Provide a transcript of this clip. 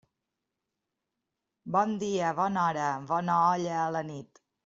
Bon dia, bona hora, bona olla a la nit.